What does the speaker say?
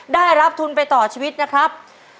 ได้รับทุนไปต่อชีวิตนะครับ